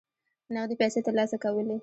نغدي پیسې ترلاسه کولې.